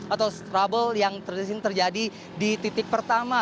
atau trouble yang terjadi di titik pertama